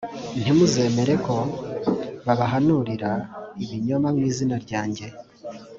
ntimuzemere ko babahanurira ibinyoma mu izina ryanjye